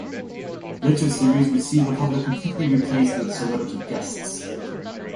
Later series would see the public completely replaced with celebrity guests.